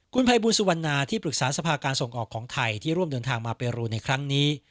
คุณภัยบูลสุวรรณาที่ปรึกษาสภาการส่งออกของไทยที่ร่วมเดินทางมาเปรูในครั้งนี้